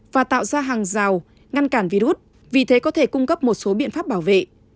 và tạo ra hàng rào ngăn cản virus vì thế có thể cung cấp một số biện pháp bảo vệ